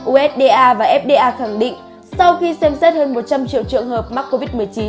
usda và fda khẳng định sau khi xem xét hơn một trăm linh triệu trường hợp mắc covid một mươi chín